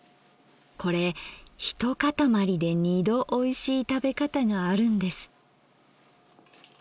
これ一塊で二度おいしい食べ方があるんです。